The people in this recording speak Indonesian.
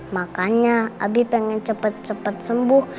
makanya abi pengen cepet cepet sembuh